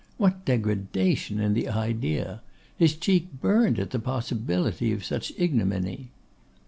What degradation in the idea? His cheek burnt at the possibility of such ignominy!